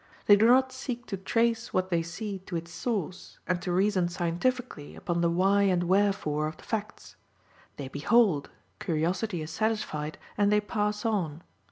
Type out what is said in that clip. They do not seek to trace what they see to its source, and to reason scientifically upon the why and wherefore of facts. They behold, curiosity is satisfied, and they pass on.